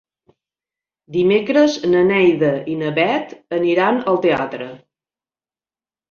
Dimecres na Neida i na Bet aniran al teatre.